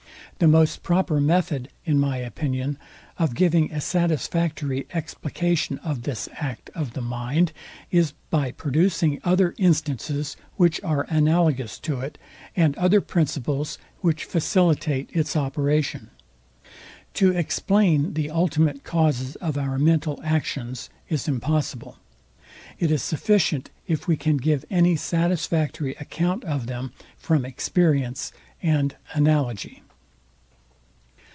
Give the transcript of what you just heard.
The most proper method, in my opinion, of giving a satisfactory explication of this act of the mind, is by producing other instances, which are analogous to it, and other principles, which facilitate its operation. To explain the ultimate causes of our mental actions is impossible. It is sufficient, if we can give any satisfactory account of them from experience and analogy.